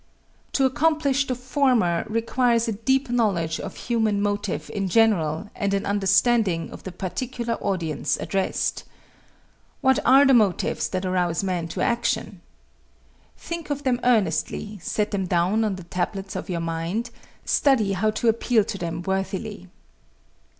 To accomplish the former requires a deep knowledge of human motive in general and an understanding of the particular audience addressed. What are the motives that arouse men to action? Think of them earnestly, set them down on the tablets of your mind, study how to appeal to them worthily.